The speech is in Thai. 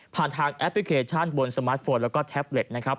ทางแอปพลิเคชันบนสมาร์ทโฟนแล้วก็แท็บเล็ตนะครับ